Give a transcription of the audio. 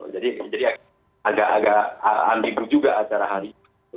jadi agak ambil juga acara hari